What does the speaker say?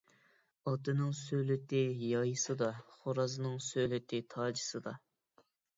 ئاتنىڭ سۆلىتى يايىسىدا، خورازنىڭ سۆلىتى تاجىسىدا.